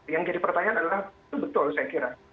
yang jadi pertanyaan adalah itu betul saya kira